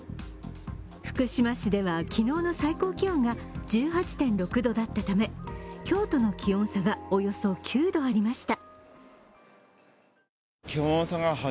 福島市では昨日の最高気温が１８．６度だったため今日との気温差がおよそ９度ありました。